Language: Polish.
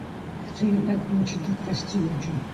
Chcę jednak wrócić do kwestii ludzi